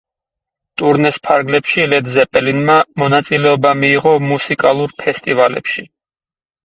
ტურნეს ფარგლებში ლედ ზეპელინმა მონაწილეობა მიიღო მუსიკალურ ფესტივალებში.